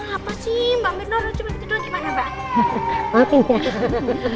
apa sih mbak mernoro cuma gitu doang gimana mbak